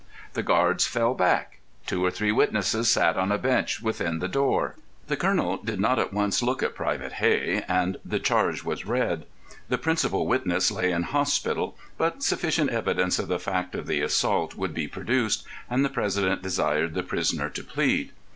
The guards fell back. Two or three witnesses sat on a bench within the door. The colonel did not once look at Private Hey, and the charge was read. The principal witness lay in hospital, but sufficient evidence of the fact of the assault would be produced, and the president desired the prisoner to plead.